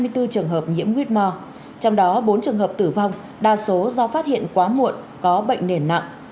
trường hợp nhiễm quýt mò trong đó bốn trường hợp tử vong đa số do phát hiện quá muộn có bệnh nền nặng